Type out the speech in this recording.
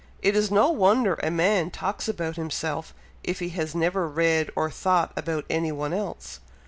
It is no wonder a man talks about himself, if he has never read or thought about any one else.